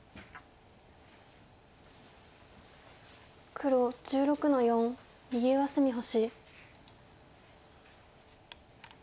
黒１６の四右上隅星。